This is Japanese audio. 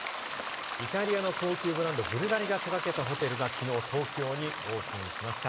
イタリアの高級ブランド、ブルガリが手がけたホテルが昨日、東京にオープンしました。